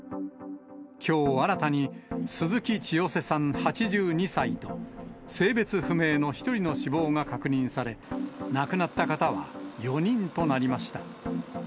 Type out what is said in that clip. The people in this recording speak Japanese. きょう新たに、鈴木チヨセさん８２歳と、性別不明の１人の死亡が確認され、亡くなった方は４人となりました。